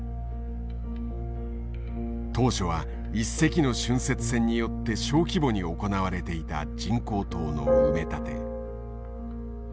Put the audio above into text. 当初は一隻の浚渫船によって小規模に行われていた人工島の埋め立て。